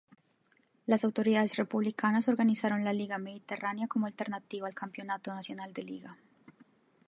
Las autoridades republicanas organizaron la Liga Mediterránea como alternativa al campeonato nacional de Liga.